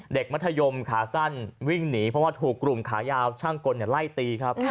มัธยมขาสั้นวิ่งหนีเพราะว่าถูกกลุ่มขายาวช่างกลไล่ตีครับ